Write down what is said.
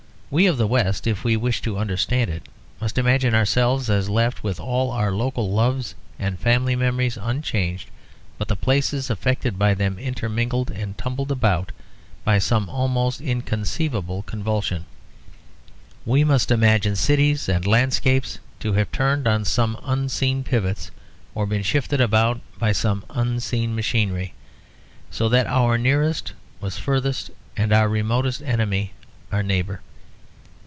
We of the West, if we wish to understand it, must imagine ourselves as left with all our local loves and family memories unchanged, but the places affected by them intermingled and tumbled about by some almost inconceivable convulsion. We must imagine cities and landscapes to have turned on some unseen pivots, or been shifted about by some unseen machinery, so that our nearest was furthest and our remotest enemy our neighbour.